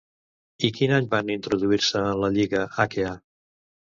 I quin any van introduir-se en la Lliga Aquea?